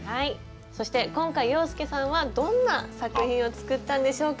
そして今回洋輔さんはどんな作品を作ったんでしょうか？